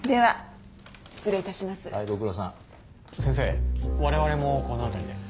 先生我々もこのあたりで。